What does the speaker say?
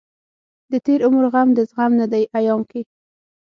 دتېر عمر غم دزغم نه دی ايام کې